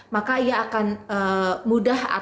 maka ia akan mudah